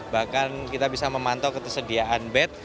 bahkan kita bisa memantau ketersediaan bed